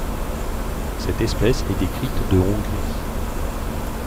Cette espèce est décrite de Hongrie.